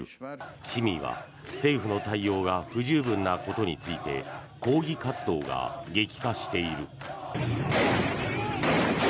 市民は政府の対応が不十分なことについて抗議活動が激化している。